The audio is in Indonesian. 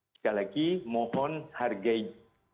sekali lagi mohon hargai anak anak